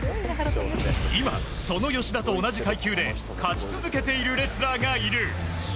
今、その吉田と同じ階級で勝ち続けているレスラーがいる。